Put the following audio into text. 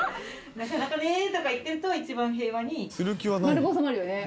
「なかなかね」とか言ってると一番平和に。